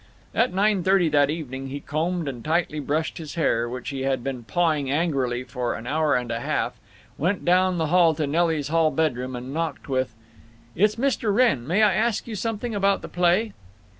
At nine thirty that evening he combed and tightly brushed his hair, which he had been pawing angrily for an hour and a half, went down the hall to Nelly's hall bedroom, and knocked with: "It's Mr. Wrenn. May I ask you something about the play?"